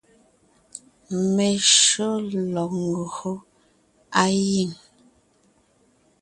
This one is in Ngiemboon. Meshÿó lɔg ńgÿo á giŋ.